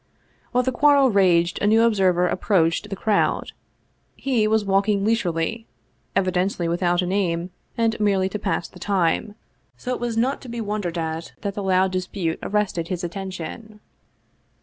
While the quarrel raged a new observer approached the crowd. He was walking leisurely, evidently without an aim and merely to pass the time, so it is not to be won dered at that the loud dispute arrested his attention.